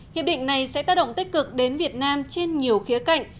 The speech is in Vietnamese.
hiệp định này sẽ tác động tích cực đến việt nam trên nhiều khía cạnh